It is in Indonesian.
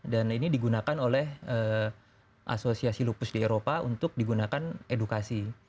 dan ini digunakan oleh asosiasi lupus di eropa untuk digunakan edukasi